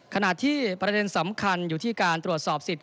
ขณะที่ประเด็นสำคัญอยู่ที่การตรวจสอบสิทธิ